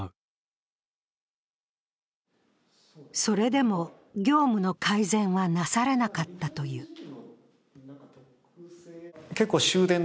それでも業務の改善はなされなかったという。